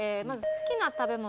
好きな食べ物？